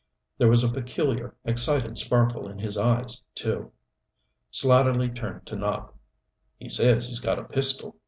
There was a peculiar, excited sparkle in his eyes, too. Slatterly turned to Nopp. "He says he's got a pistol."